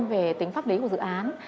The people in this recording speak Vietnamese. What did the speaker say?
về tính pháp lý của dự án